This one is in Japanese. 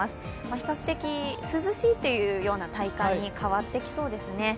比較的、涼しいというような体感に変わってきそうですね。